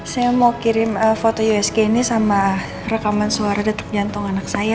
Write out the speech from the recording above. saya mau kirim foto usg ini sama rekaman suara detik jantung anak saya